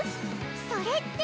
それって。